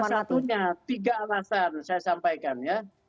salah satunya tiga alasan saya sampaikan ya